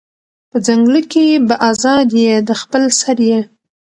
په ځنگله کی به آزاد یې د خپل سر یې